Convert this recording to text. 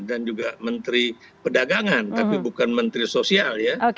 dan juga menteri pedagangan tapi bukan menteri sosial ya